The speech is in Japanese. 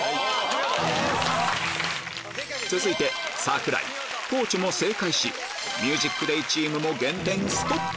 続いて櫻井地も正解しＭＵＳＩＣＤＡＹチームも減点ストップ